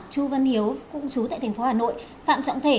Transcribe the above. chú vân hiếu cũng chú tại thành phố hà nội phạm trọng thể